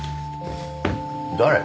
誰？